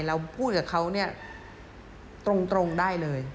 เราพูดกับเขาตรงได้เลย